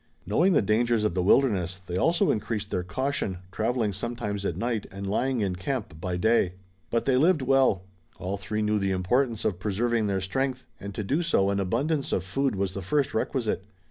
Knowing the dangers of the wilderness, they also increased their caution, traveling sometimes at night and lying in camp by day. But they lived well. All three knew the importance of preserving their strength, and to do so an abundance of food was the first requisite.